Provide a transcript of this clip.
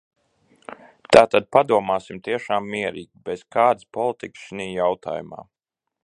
Tātad padomāsim tiešām mierīgi, bez kādas politikas šinī jautājumā!